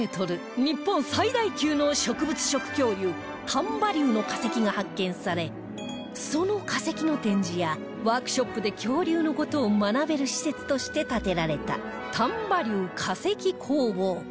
丹波竜の化石が発見されその化石の展示やワークショップで恐竜の事を学べる施設として建てられた丹波竜化石工房